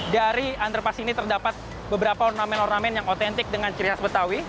dari underpass ini terdapat beberapa ornamen ornamen yang otentik dengan ciri khas betawi